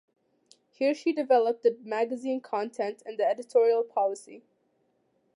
Here she developed the magazine content and editorial policy.